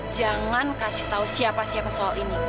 jangan kasih tahu siapa siapa soal ini